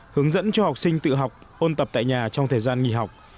hướng dẫn cho học sinh tự học ôn tập tại nhà trong thời gian nghỉ học